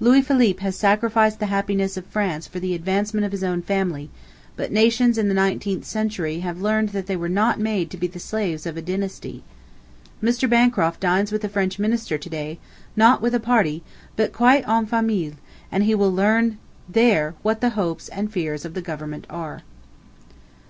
Louis Philippe has sacrificed the happiness of France for the advancement of his own family, but nations in the nineteenth [century] have learned that they were not made to be the slaves of a dynasty. Mr. Bancroft dines with the French Minister to day, not with a party, but quite en famille, and he will learn there what the hopes and fears of the Government are.